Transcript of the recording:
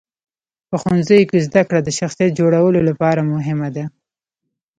په ښوونځیو کې زدهکړه د شخصیت جوړولو لپاره مهمه ده.